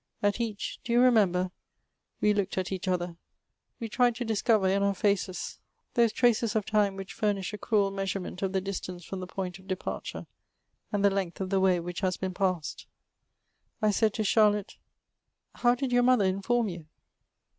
At each do you remember f we looked at each other ; we tried to discover in our faces those traces of time which furnish a cruel measurement of the dis tance from the point of departure, and the length of the way which has been passed. I said to Charlotte, '' How did your mother inform you